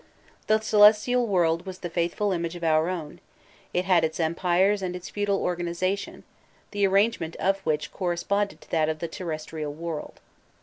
The celestial world was the faithful image of our own; it had its empires and its feudal organization, the arrangement of which corresponded to that of the terrestrial world.